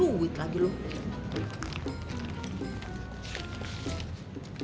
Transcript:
bersih duit lagi lo